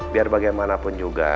biar bagaimanapun juga